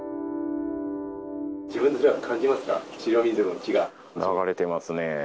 自分では感じますか、流れてますね。